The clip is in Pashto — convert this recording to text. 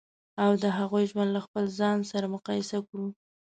او د هغوی ژوند له خپل ځان سره مقایسه کړو.